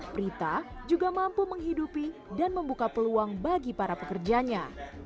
prita juga mampu menghidupi dan membuka peluang bagi para pekerjanya